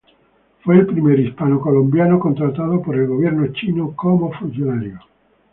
Fue el primer hispano-colombiano contratado por el gobierno chino como funcionario.